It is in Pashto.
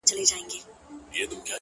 زه څوک لرمه،